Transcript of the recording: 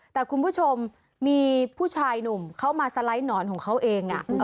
แต่คุณผู้ชมมีผู้ชายหนุ่มเข้ามาสไลด์หนอนของเขาเอง